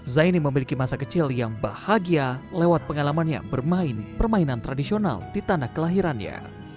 zaini memiliki masa kecil yang bahagia lewat pengalamannya bermain permainan tradisional di tanah kelahirannya